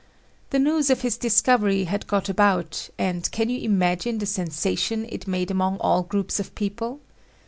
The news of his discovery had got about and can you imagine the sensation it made among all groups of people?